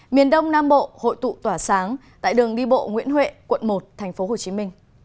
miền đông nam bộ hội tụ tỏa sáng tại đường đi bộ nguyễn huệ quận một tp hcm